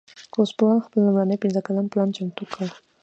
ګوسپلن خپل لومړنی پنځه کلن پلان چمتو کړ